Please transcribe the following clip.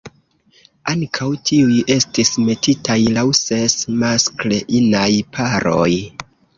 Ankaŭ tiuj estis metitaj laŭ ses maskl-inaj paroj.